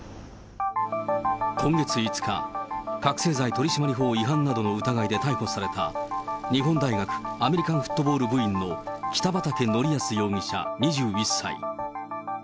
今月５日、覚醒剤取締法違反などの疑いで逮捕された、日本大学アメリカンフットボール部員の北畠成文容疑者２１歳。